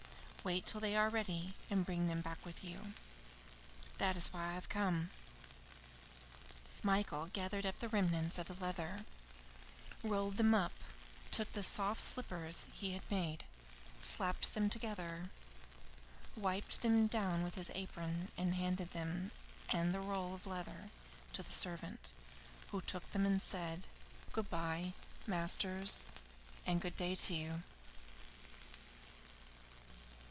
Wait till they are ready, and bring them back with you.' That is why I have come." Michael gathered up the remnants of the leather; rolled them up, took the soft slippers he had made, slapped them together, wiped them down with his apron, and handed them and the roll of leather to the servant, who took them and said: "Good bye, masters, and good day to you!"